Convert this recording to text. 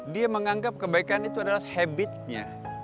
dia menganggap kebaikan itu adalah habitnya